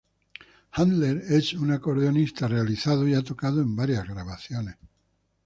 Handler es un acordeonista realizado, y ha tocado en varias grabaciones.